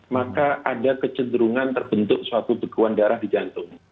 maka ada kecenderungan terbentuk suatu bekuan darah di jantung